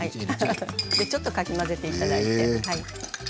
ちょっとかき混ぜていただいて。